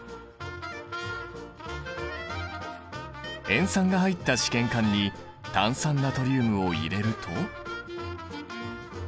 塩酸が入った試験管に炭酸ナトリウムを入れると。